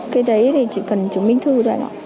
cái đấy thì chỉ cần chứng minh thư thôi ạ